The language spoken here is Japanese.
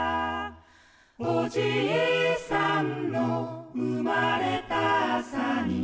「おじいさんの生まれた朝に」